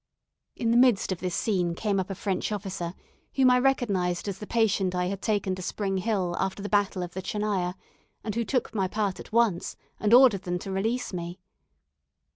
In the midst of this scene came up a French officer, whom I recognised as the patient I had taken to Spring Hill after the battle of the Tchernaya, and who took my part at once, and ordered them to release me.